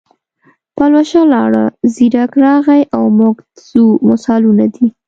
پلوشه لاړه، زیرک راغی او موږ ځو مثالونه دي.